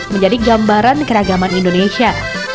menjadi gambaran keragaman indonesia